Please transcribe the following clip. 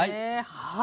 はい。